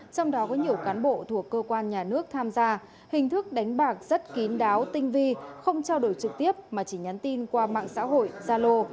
trong đó có nhiều cán bộ thuộc cơ quan nhà nước tham gia hình thức đánh bạc rất kín đáo tinh vi không trao đổi trực tiếp mà chỉ nhắn tin qua mạng xã hội gia lô